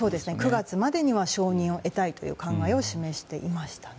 ９月までには承認を得たいという考えを示していましたね。